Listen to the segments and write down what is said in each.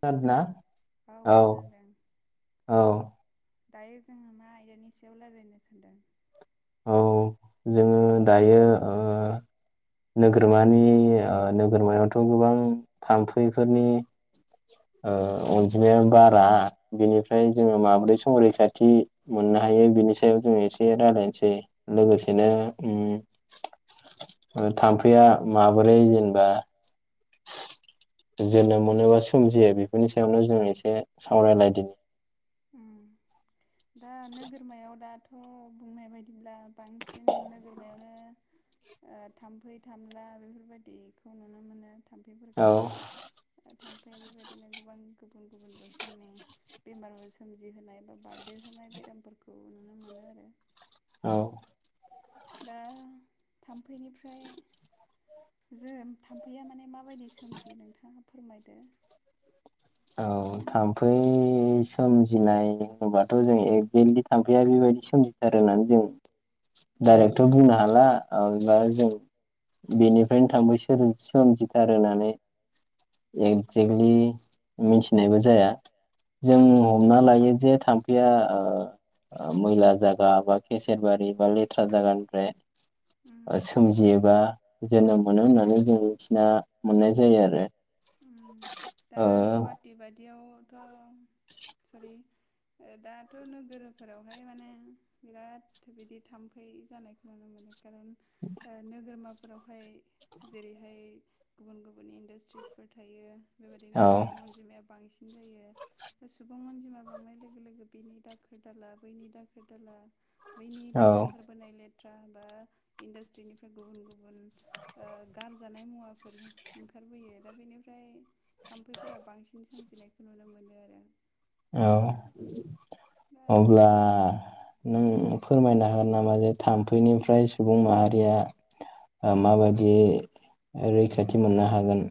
खोनादोना हेलौ औ औ। दायो जोङो मा आयदानि सायाव रायलायनो सान्दों। औ औ जोङो दायो ओ नोगोरमानि ओ नोगोरमायावथ' गोबां थाम्फैफोरनि ओ अनजिमाया बारा बिनिफ्राय जोङो माबोरै संरैखाथि मोननो हायो बिनि सायाव जोङो एसे रायलायनोसै। ए लोगोसेनो उम थाम्फैया माबोरै जेनेबा जोनोम मोनोबा सोमजियो बेफोरनि सायावनो जों एसे सावरायलायदिनि। उम। दा नोगोरमायाव दाथ' बुंनाय बायदिब्ला बांसिन नोगोरमायावनो थाम्फै थामला बेफोरबायदिखौ नुनो मोनो। औ थाम्फैफोरखौ। था देरहोनाय बेरामफोरखौ नुनो मोनो आरो औ दा थाम्फैनिफ्राय जों थाम्फैया माने माबायदि सोमजियो नोंथाङा फोरमायदो? औ थाम्फै सोमजिनाय होनबाथ' जों एगजेक्टलि थाम्फैया बेबायदि सोमजिथारो होननानै जों डाइरेक्थ' बुंनो हालाबा जों बेनिफ्रायनो थाम्फै सोमजिथार होननानै एक्जेक्टलि मिथिनायबो जाया जों हमना लायो जे थाम्फैया ओ ओ मैला जायागा बा केसेेरबारि बा लेथ्रा जायागानिफ्राय उम सोमजियोबा जोनोम मोनो होननानै जों मिथिना मोननाय जायो आरो ओ बेबाय दियावथ' सरि दाथ' नोगोरफोरावहाय माने बिराद बिदि थाम्फै जानायखौ नुनो मोनो। खारन नोगोरमा फोरावहाय जेरैहाय गुबुन गुबुन इन्डास्ट्रिसफोर थायो। बेबायदिनो औ सुबुं अनजिमाया बांसिन जायो सुबुं अनजिमा बांनाय लोगो लोगो बेनि दाखोर दाला बैनि दाखोर दाला औ बैनिफ्राय ओंखारबोनाय लेट बाथ्रा बा इन्डास्ट्रिनिफ्राय गुबुन गुबुन ओ गारजानाय मुवाफोर ओंखारबोयो दा बेनिफ्राय थामफैफोरा बांसिन सोमजिनायखौ नुनो मोनो। बे औ अब्ला नों फोरमायनो हागोन नामा जे थामफै फ्राय सुबुं माहारिया आ माबायदि रैखाथि मोननो हागोन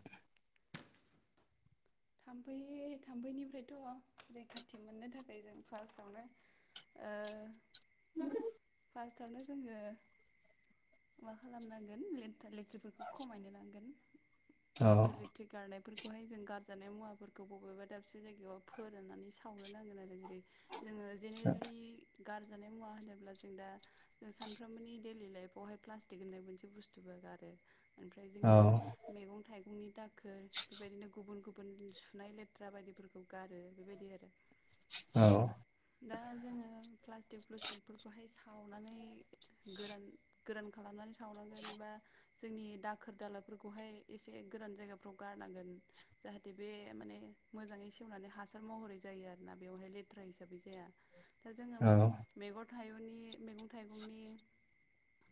थाम्फै जाम्फैनिफ्राय रैखाथि मोननो थाखाय जों फार्स्टआवनो ओ [inaudible] फार्स्टआवनो जोङो मा माखालामनांगोन लेथ्रिफोरखौ खमायनो नांगोन औ लेथा लिट्रि गारनायफोर बखौहाय जों गा जानाय मुवाफोरखौ बबेबा दाबसे जायगायाव फोराननानै सावनो नांगोन आरो जेरै जोङो जेनेरेलि गारजानाय मुवा होनोब्ला जों दा जों सानफ्रोमबोनि दैडेलि लाइफआवहाय प्लास्टिक होननाय मोनसे बुस्थुबो गारो। ओमफ्राय जोंनि मैगं-थाइगंनि दाखोर बेबायदिनो गुबुन गुबुन गुब सुनाय लेथ्रा बायदिफोरखौ गारो बेबायदि आरो औ दा जोङो प्लास्टिक प्लुस्टिकफोर बि जाया दा जोङो औ मेगद खायनि मैगं थाइगंनि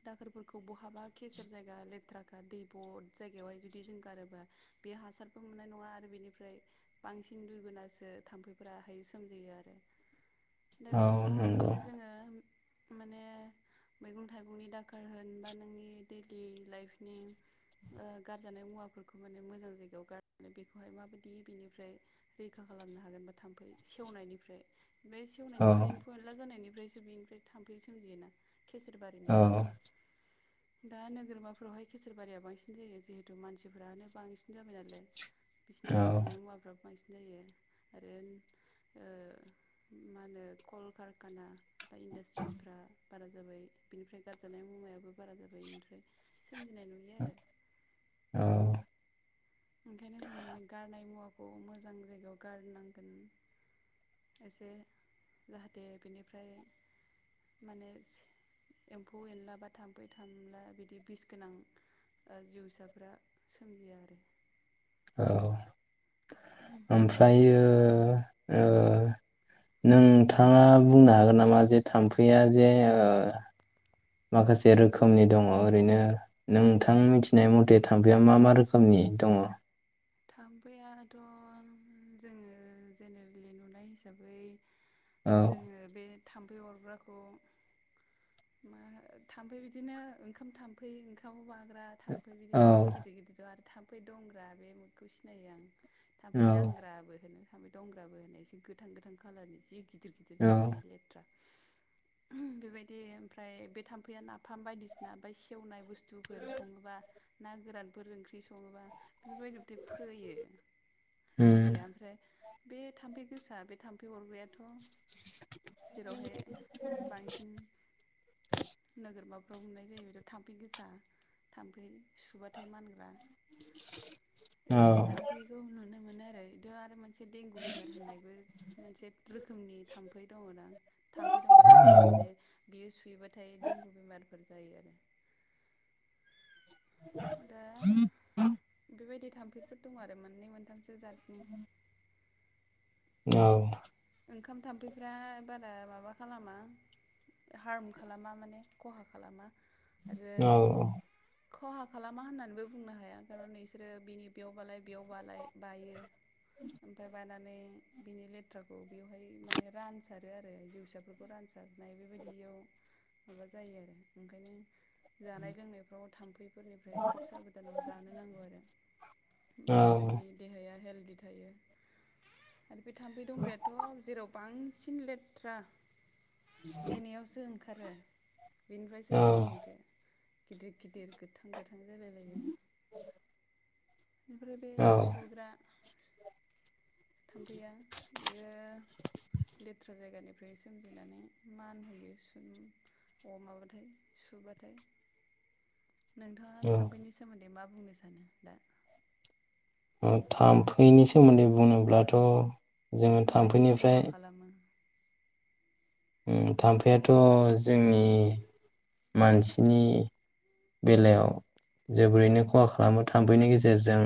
दाखोरफोरखौ बहाबा खसेेर जायगा लेथ्राखा दै ब' जायगायावहाय जुदि जों गारोबा बे हासारबो मोननाय नङा आरो बेनिफ्राय बांसिन दुइगोनासो थाम्फैफोराहाय सोमजियो आरो। दा औ बिथिङाव नंगौ ओंखायनो जोङो माने मैगं थाइगंनि दाखार होन बा नोंनि दैलि लाइफनि ओ गारजानाय मुवाफोरखौ माने मोजां जायगायाव गारनानै बेखौहाय माबायदि बेनिफ्राय रैखा खालामनो हागोन बा थाम्फै सेवनायनिफ्राय बे औ सेवनायनिफ्राय एम्फौ एनला जानायनि ओमफ्रायसो बेनिफ्राय थामफै सोमियोना केसेर औ बारिनिफ्रायसो दा नोगोरमाफोरावहाय खसेरबारिया बांसिन जायो जिहेतु मानसिफोरानो बांसिन जाबाय नालाय बिसोरनि औ गारजानाय मुवाफ्रा बांसिन जायो आरो ओ मा होनो कल कारखाना बा इन्डासट्रिसफ्रा बारा जाबाय बिनिफ्राय गारजानाय मुवायाबो बारा जाबाय बेनिफ्राय सोमजिनाय नुयो आरो औ ओंखायनो जों माने गारनाय मुवाखौ खौ मोजां जायगायाव गारनांगोन। एसे जाहाथे बिनिफ्राय माने एम्फौ एनला बा थाम्फै थाला बिदि बिस गोनां ओ जिउसाफ्रा सोमजिया आरो औ आमफ्रायो ओ नोंथाङा बुंनो हागोन नामा? जे थाम्फैया जे ओ माखासे रोखोमनि दङ' ओरैनो नोंथां मिथिनाय मथे थाम्फैया मा मा रोखोमनि दङ? थाम्फैयाथ' जोङो जेनेरेलि नुनाय हिसाबै औ जोङो बे थाम्फै अरग्राखौ मा थाम्फै बिदिनो ओंखाम थाम्फै ओंखामाव बा ग्रा थाम्फै बिदि मोनसे गिदिर गिदिर दं आरो थामफ फै दंग्रा बे खौ सिनायो आं थामफै औ दांग्राबो होनो थामफै दंग्राबो होनो एसे गोथां गोथां कालारनि जि गिदिर गिदिर औ थाम्फैनि जायो बे लेथ्रा बेबायदि ओमफ्राय बे थाम्फैया नाफाम बायदिसिना बा सेवनाय बुस्थुफोर सङोबा ना गोरानफोर ओंख्रि सङोबा बेफोरबायदि फोयो थाम्फैया ओमफ्राय बे थाम्फै गोसा बे थाम्फै अरग्राया थ' जेरावहाय बांसिन नोगोरमा फ्राव मोननाय जायो बेथ' थाम्फै गोसा थाम्फै सुबाथाय मानग्रा बेबायदि थांफैखौ नुनो मोनो आरो बिदि आरो मोनसे देंगु बेमार होननायबो मोनसे रोखोमनि थाम्फै दङ दां थाम्फै दङ जेरावहाय माने बियो सुयोबाथाय देंगु बेमारफोर जायो आरो। दा बेबायदि थाम्फैफोर दं आरो मोननै मोनथामसो जादनि औ। ओंखाम थाम्फैफ्रा बारा माबा खालामा हार्म खालामा माने खहा खालामा। आरो औ। खहा खालामा होननानैबो बुंनो हाया खारन बिसोरो बिनि बेयाव बालाय बेयाव बालाय बायो ओमफफ्राय बानानै बिनि लेथ्राखौ बेवहाय माने रानसारो आरो जिउसाफोरखौ रानसारनाय बेबायदियाव माबा जायो आरो ओंखायनो जानाय लोंनायफ्राव थाम्फैफोरनिफ्राय खोब साबधान जानो नांगौ आरो होमबासो जोंनि देहाया हेलद बिदि थायो। आरो बे थाम्फै दंग्राया जेराव बांसिन लेथ्रा एनियावसों खारो। बेनिफ्रायसो सोमजियो बे गिदिर गिदिर गोथां गोथां जायो। [unintelligible] ओमफ्राय बे सुग्रा थामफैया बेयो लेथ्रा जायगानिफ्राय सोमजिनानै मान होयो सुयो सुबाथाय। नोंथाङा थाम्फैनि सोमोन्दै मा बुंनो सानो दा थाम्फैनि सोमोन्दै बुोब्लाथ' जोङो माबायदि खहा थाम्फैनिफ्राय खालामो थाम्फैआथ' जोंनि मानसिनि बेलायाव जोबोरैनो खहा खालामो थाम्फैनि गेजेरजों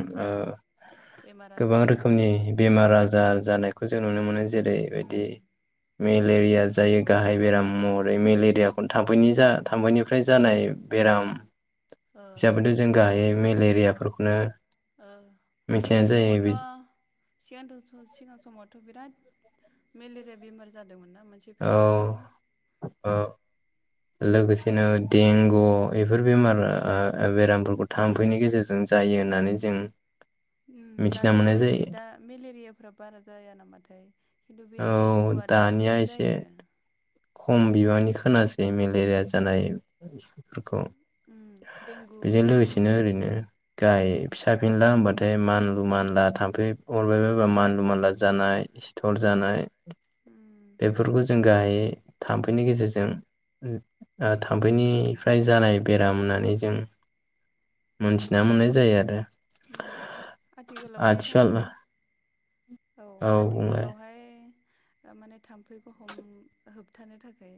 बेमार गोबां आजारफ्रा रोखोमनि बेमार आजार जानायखौ जों नुनो मोनो। जेरैबायदि उम मेलेरिया जायो गाहाय बेराम महरै मेलेरियाखौनो थाम्फै जा थाम्फैनिफ्राय जानाय बेराम ओ जाबोदों जों गाहायै मेले मेलेरियाफोरखौनो मिथिनाय सिगां जायो बि समावथ' सिगां समावथ' बिराद मेलेरिया बेमार जादोंमोन ना। आ मोनसे औ फिरियद‌आव औ लोगोसेनो देंगु एफोर बेमारा बेरामफोरखौ थाम्फैनि गेजेरजों जायो होननानै जों मिथिना दाथ' मोननाय नै जायो दा मेलेरियाफ्रा बारा जाया नामाथाय? खिन्थु बे औ देंगुआ दाना दानिया बिराद एसे जायो। खम बिबांनि खोनासै मेलेरिया जानायफोरखौ। उम देंगु बेजों देंगु लोगोसेनो ओरैनो गाय फिसा फिनला होनबाथाय मानलु मानला थाम्फै अरबाय बायबा मानलु मानला जानाय स्थर जानाय उम बेफोरखौ जों गाहायै थाम्फैनि गेजेरजों उम थाम्फैनिफ्राय जानाय बेराम होननानै जों मोनथिना मोननाय जायो आरो। आथिखालावहाय आथिखाल थाम्फै औ बुंलाय माने थाम्फैखौ हम होब होबथानो थाखाय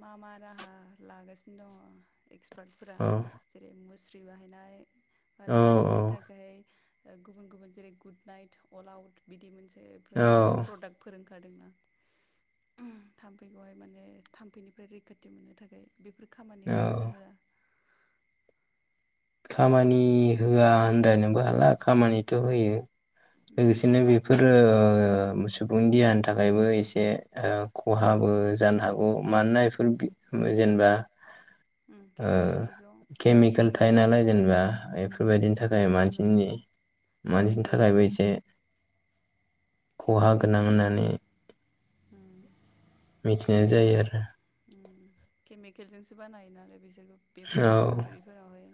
मा मा राहा लागासिनो दङ'? एक्स आबादफोरा औ जेरै मुसुमि लि बाहायनाय बा औ थाम्फैनि औ थाखाय गुबुन गुबुन जेरै गुड नाइट, अल आउट बिदि मोनसे बेफोर औ बुस्थु प्रडाक्ट फोर ओंखार खारदोंना उम थामफैखौहाय माने थाम्फैनिफ्राय रैखाथि मोननो थाखाय बेफोर खामानि होयो ना औ होआ खामानि होआ होनद्रायनोबो हाला खामानिथ' होयो। उम लोगोसेनो बेफोरो ओ ओ सुबुं देहानि थाखायबो एसे ओ खहाबो जानो हागौ मानोना बेफोर बि जेनेबा उम ओ केमिकेल थायो बेयाव केमिकेल थायो नालाय जेनेबा उम एफोरबायदिनि थाखाय केमिकेल थानानै मानसिनि केमिकेल थाखायबो एसे खहा केमिकेल गोनां होननानै उम मिथि बे जायो आरो। केमिकेल जोंसो बानायो नालाय बिसोरबो। बेफोरखौ फेक्टरिफोरावहाय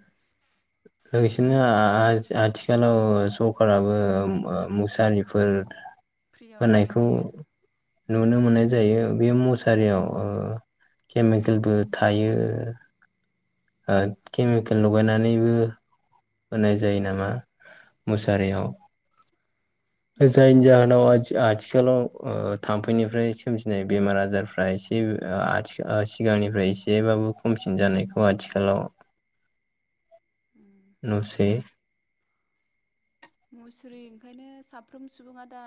ओइसेनो आथ-आथिखालाव ओ सरखाराबो ओम मुसारिफोर फ्रियावनो रानना होनायखौ होयो। नुनो मोननाय जायो बे मुसारियाव ओ केमिकेलबो थायो ओ केमिकेल लगायनानै बेबो होनाय जायो नामा मुसारियाव बिदिनो जायनि जाहोनाव थाम्फैनि आथिखालाव ओ थाम्फैनिफ्राय सोमजिनाय बेमार आजारफ्रा एसे ओ आथि सिगांनिफ्राय एसेबाबो खमसिन जानायखौ आथिखालाव उम नुसै मुसुरि ओंखायनो साफ्रोम सुबुङा दा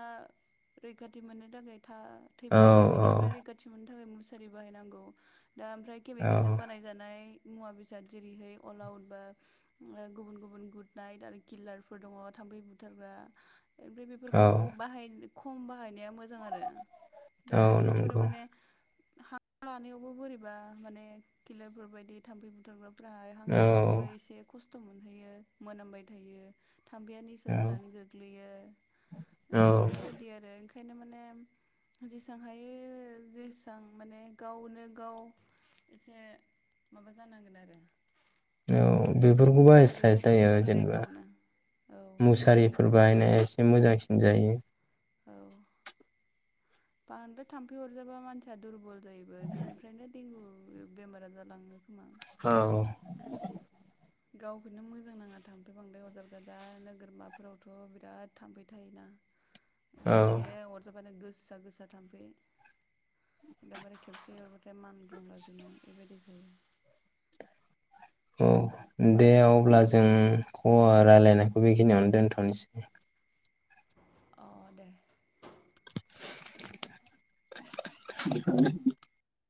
रैखाथि मोननो थाखाय औ ओ औ थाम्फैनिफ्राय रैखाथि मोननो थाखाय मुसु सारि बाहायनांगौ दा ओमफ्राय केमिकेलजों औ बानायजानाय मुवा बेसाद जेरैहाय अल आउट बा गुबुन गुबुन गुड नाइट आरो किलारफोर दङ थाम्फै बुथारग्रा ओमफ्राय औ बेफोरखौ बाहायनो खम बाहायनाया मोजां आरो दा औ बेफोर नंगौ माने हां लानायावबो बोरैबा माने खिलारफोर बायदि थाम्फै बुथारग्रा हां औ लानायावबो एसे खस्थ' खस्थ' मोनहैयो मोनामबाय थायो थाम्फैया निसा औ जानानै गोग्लैयो औ ओमफ्राय बेबायदि आरो ओंखायनो माने जेसां हायो जेसां माने गावनो गाव एसे माबा जानांगोन आरो औ बेफोरखौबो रैखाथि बाहायस्लायस्लाय मोननो थाखाय जेनेबा गावनो औ मुसारिफोर बाहायनाय मोजांसिन जायो औ बांद्राय थाम्फै अरजाबा मानसिया दुरबल जायोबो बिनिफ्रायनो देंगु बेमारा जालाङो खोमा औ गावखौनो मोजां नाङा थांफै बांद्राय अरजाब्ला नोगोरमाफोरावथ' बिराद थामफै थायोना औ एसे अरजाबानो गो गोजा गोजा थाम्फै एकदमबारे खेबसे अरबाथाय मान ग्लुंला जोबनाय बेबायदि जायो औ दे अब्ला जों खबर रायज्लायनायखौ बेखिनियावनो दोनथ'नोसै [inaudible] अ दे [inaudible]